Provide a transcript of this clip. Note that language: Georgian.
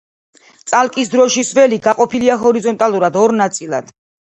წალკის დროშის ველი გაყოფილია ჰორიზონტალურად ორ ნაწილად.